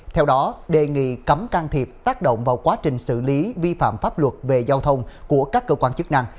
theo đó đề nghị cấm can thiệp tác động vào quá trình xử lý vi phạm pháp luật về giao thông của các cơ quan chức năng